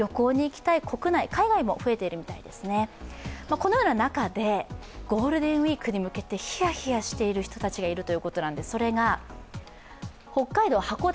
このような中でゴールデンウイークに向けてヒヤヒヤしている人たちがいるということです。